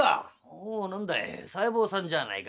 「おお何だい細胞さんじゃあないか。